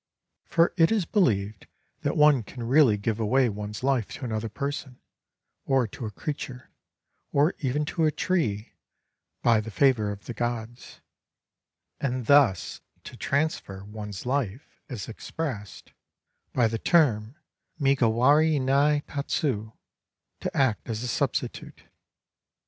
(For it is beUeved that one can really give away one's life to another person, or to a creature, or even to a tree, by the favor of the gods; — and thus to transfer one's Hfe is expressed by the term migawari ni tatsu, "to act as a substitute.")